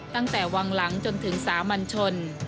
ตั้งแต่วังหลังจนถึงสามัญชน